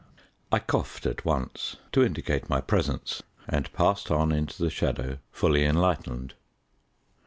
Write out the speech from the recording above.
I coughed at once to indicate my presence, and passed on into the shadow fully enlightened.